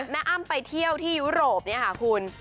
อ้ำไปเที่ยวที่ยุโรปเนี่ยค่ะคุณ